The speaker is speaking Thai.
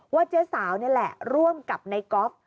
ว่าเจ๊สาวเนี่ยแหละร่วมกับนายก๊อฟ